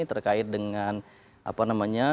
terkait dengan apa namanya